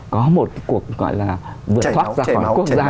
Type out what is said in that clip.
có một cuộc gọi là vượt thoát ra khỏi quốc gia